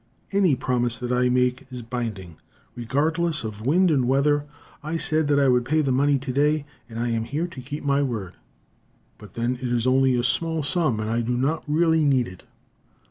"Any promise that I make is binding, regardless of wind and weather. I said that I would pay the money today, and I am here to keep my word." "But, then, it is only a small sum, and I do not really need it."